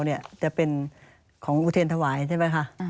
อืมเต็เพียงอุทีนทวายใช่ไหมคะ